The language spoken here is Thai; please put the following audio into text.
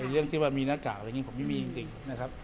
เรื่องที่ว่ามีหน้ากากอะไรอย่างนี้ผมไม่มีจริงนะครับ